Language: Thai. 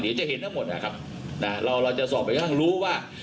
เดี๋ยวจะเห็นทั้งหมดนะครับเราจะสอบไปทางรู้ว่า